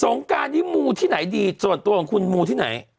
งการนี้มูที่ไหนดีส่วนตัวของคุณมูที่ไหน